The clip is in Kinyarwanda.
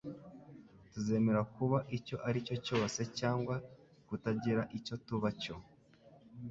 Tuzemera kuba icyo ari cyo cyose cyangwa kutagira icyo tuba cyo,